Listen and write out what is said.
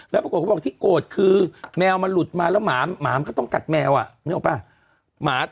แล้วปรากฏเขาบอกที่โกรธคือแมวมันหลุดมาแล้วหมามันก็ต้องกัดแมวนึกออกป่ะ